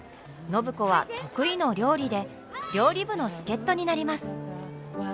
暢子は得意の料理で料理部の助っ人になります。